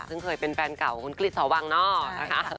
ซึ่งเคยเป็นแฟนเก่าของคุณคริสสวังนอกนะคะ